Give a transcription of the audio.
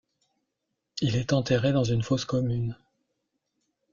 Il est enterré dans une fosse commune.